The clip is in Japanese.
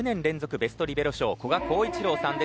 ベストリベロ賞古賀幸一郎さんです。